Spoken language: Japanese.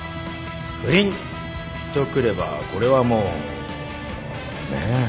不倫とくればこれはもうねえ。